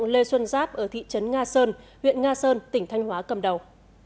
lê xuân giáp ở thị trấn nga sơn huyện nga sơn tỉnh thanh hóa cầm đầu